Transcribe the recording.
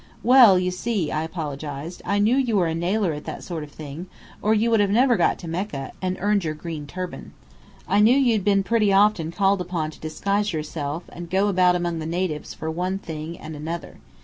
"Well, you see," I apologized, "I knew you were a nailer at that sort of thing, or you would never have got to Mecca, and earned your green turban. I knew you'd been pretty often called upon to disguise yourself and go about among the natives for one thing or another.